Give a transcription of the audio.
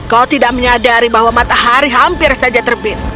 kau tidak menyadari bahwa matahari hampir saja terbit